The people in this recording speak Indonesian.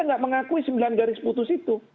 tidak mengakui sembilan garis putus itu